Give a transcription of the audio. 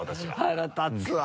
腹立つわ。